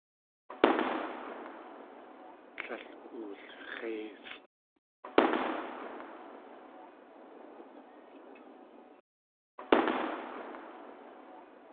Tlél oolx̲éisʼ.